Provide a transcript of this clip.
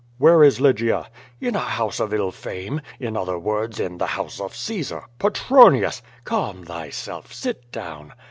"Where is Lygia?" "In a house of ill fame; in other words, in the house of Caesar." "Petronius!" "Calm thyself. Sit down.